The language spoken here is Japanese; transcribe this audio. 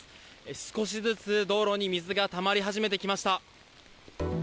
少しずつ道路に水がたまり始めてきました。